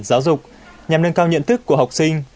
giáo dục nhằm nâng cao nhận thức của học sinh